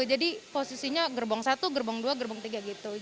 jadi posisinya gerbong satu gerbong dua gerbong tiga gitu